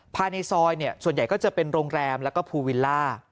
ภายในซอยส่วนใหญ่ก็จะเป็นโรงแรมแล้วก็ภูวิลล่า